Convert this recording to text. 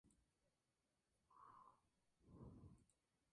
Por ello, utilizó el seudónimo "Peter Bryan".